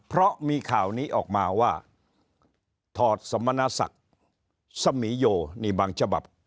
เพราะมีข่าวนี้ออกมาว่าถอดสมณศักดิ์สมีโยนี่บางฉบับ